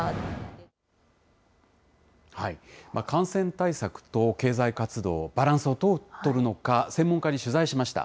感染対策と経済活動、バランスをどうとるのか、専門家に取材しました。